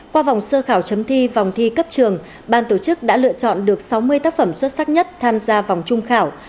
qua vòng sơ khảo chấm thi vòng thi cấp trường ban tổ chức đã lựa chọn được sáu mươi tác phẩm xuất sắc nhất tham gia vòng trung khảo